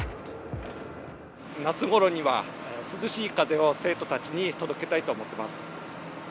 夏ごろには、涼しい風を生徒たちに届けたいと思っています。